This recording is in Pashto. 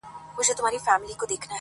دایمي ژوندون،